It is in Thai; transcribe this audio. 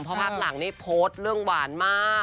เพราะพักหลังนี่โพสต์เรื่องหวานมาก